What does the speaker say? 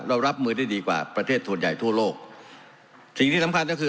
รับมือได้ดีกว่าประเทศส่วนใหญ่ทั่วโลกสิ่งที่สำคัญก็คือ